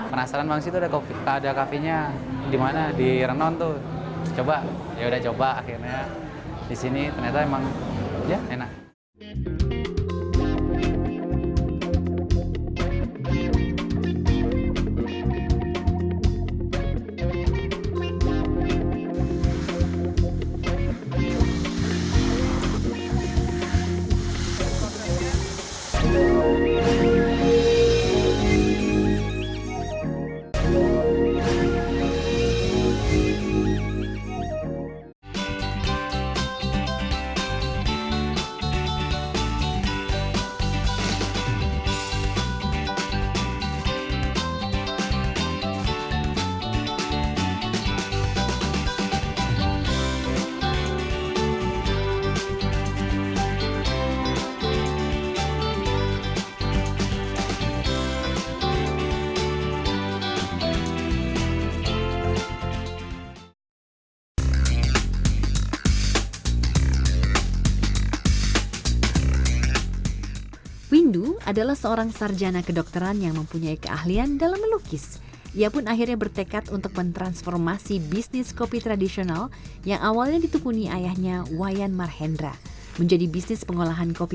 penasaran banget sih ada cafe nya di renon tuh coba yaudah coba akhirnya ya di sini ternyata emang enak